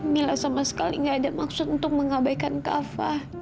mila sama sekali nggak ada maksud untuk mengabaikan kak fadil